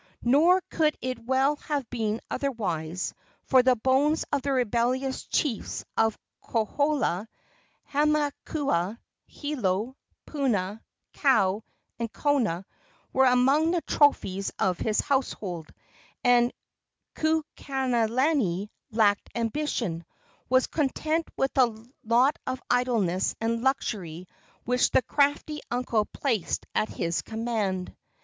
Nor could it well have been otherwise, for the bones of the rebellious chiefs of Kohala, Hamakua, Hilo, Puna, Kau and Kona were among the trophies of his household, and Kukailani, lacking ambition, was content with the lot of idleness and luxury which the crafty uncle placed at his command.